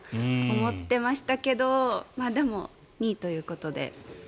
思ってましたけどでも、２位ということで。